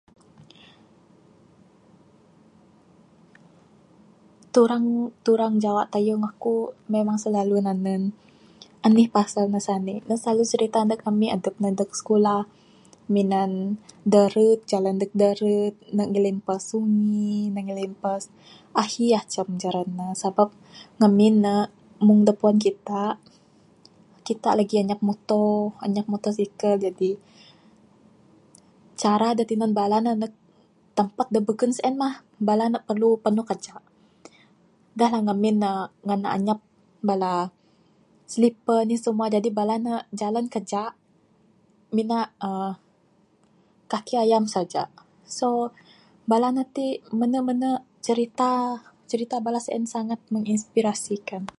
Turang turang jawa tayung aku memang silalu nanen anih pasal ne sanik. Ne selalu cerita neg ami adep ne neg sikulah minan darud jalan neg darud nak ngilimpas sungi, ne ngilimpas ahi macam jaran ne sebab ngamin ne meng da puan kita, kita lagi anyap muto, anyap mutosikal. Jadi, cara da tinan bala ne neg tempat da beken sien mah bala ne perlu panu kajak. Dah lah ngamin ne ngan anyap bala slipar ne anih semua jadi bala ne jalan kajak minak aaa kaki ayam saja. So, bala ne ti, mene-mene cerita, cerita bala sien sangat menginspirasikan.